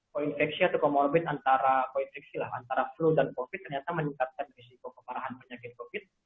koinfeksi atau comorbid antara flu dan covid ternyata meningkatkan risiko keparahan penyakit covid